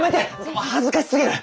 もう恥ずかしすぎる。